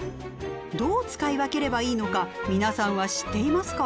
どう使い分ければいいのか皆さんは知っていますか？